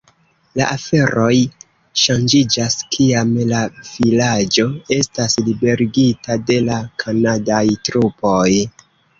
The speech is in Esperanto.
La aferoj ŝanĝiĝas kiam la vilaĝo estas liberigita de la kanadaj trupoj.